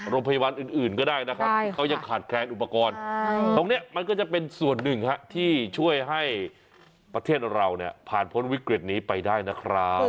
โรงพยาบาลอื่นก็ได้นะครับเขายังขาดแคลนอุปกรณ์ตรงนี้มันก็จะเป็นส่วนหนึ่งที่ช่วยให้ประเทศเราเนี่ยผ่านพ้นวิกฤตนี้ไปได้นะครับ